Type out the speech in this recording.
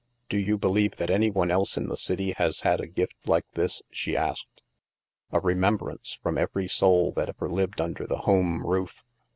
" Do you believe that any one else in the city has had a gift like that? " she asked. " A remembrance from every soul that ever lived under the home roof?